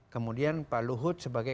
kemudian pak luhut sebagai